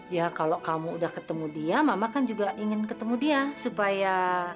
ya kalau kamu udah ketemu dia mama kan juga ingin ketemu dia supaya